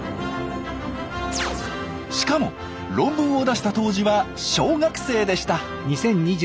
しかも論文を出した当時は小学生でした。